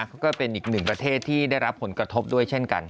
ก็เป็นอีกหนึ่งประเทศที่ได้รับผลกระทบด้วยเช่นกัน